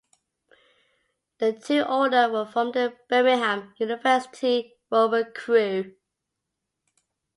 The two older were from the Birmingham University Rover Crew.